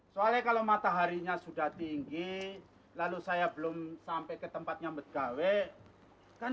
soalnya kalau mataharinya sudah tinggi lalu saya belum sampai ke tempatnya megawe kan